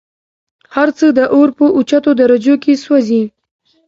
هرڅه د اور په اوچتو درجو كي سوزي